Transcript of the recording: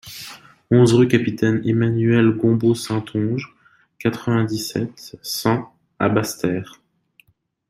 onze rue Capitaine Emmanuel Gombaud-Saintonge, quatre-vingt-dix-sept, cent à Basse-Terre